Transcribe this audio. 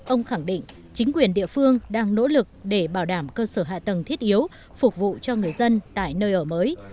ông khẳng định chính quyền địa phương đang nỗ lực để bảo đảm cơ sở hạ tầng thiết yếu phục vụ cho người dân tại nơi ở mới